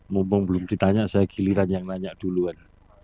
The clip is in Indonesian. mumpung belum ditanya saya giliran yang nanya duluan